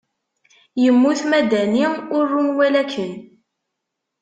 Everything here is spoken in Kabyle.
Yemmut Madani, ur run walaken.